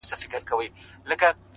اخلاق د انسان له شتمنۍ لوړ دي؛